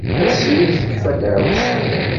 Ass mi tekfa daɛwessu.